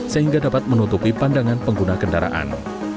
sehingga dapat menutupi pandangan pengguna kendaraan